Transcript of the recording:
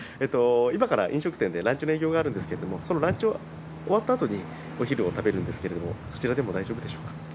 今から飲食店でランチの営業があるんですけれどもそのランチが終わったあとにお昼を食べるんですけれどもそちらでも大丈夫でしょうか？